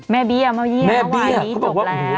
แม่เบี้ยเอามาเยี่ยงแล้วว่านี้จบแล้ว